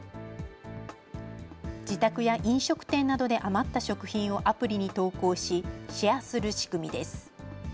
自宅や飲食店などで余った食品をアプリに投稿し、シェアする仕組みです。